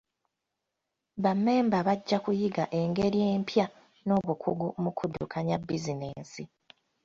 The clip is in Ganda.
Bammemba bajja kuyiga engeri empya n'obukugu mu kuddukanya bizinensi.